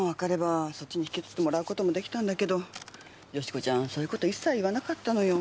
そっちに引き取ってもらう事も出来たんだけど美子ちゃんそういう事一切言わなかったのよ。